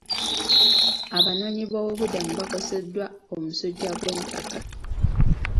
Abanoonyiboobubudamu bakoseddwa omusujja gw'enkaka.